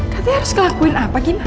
ketep harus ngelakuin apa gina